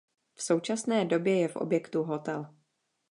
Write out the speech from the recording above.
V současné době je v objektu hotel.